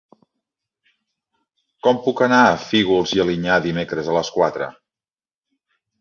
Com puc anar a Fígols i Alinyà dimecres a les quatre?